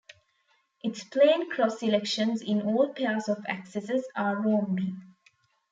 Its plane cross selections in all pairs of axes are rhombi.